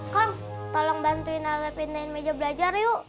kong tolong bantuin ale pindahin meja belajar yuk